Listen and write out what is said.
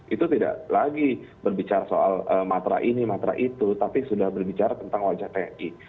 itu tidak lagi berbicara soal matra ini matra itu tapi sudah berbicara tentang wajah tni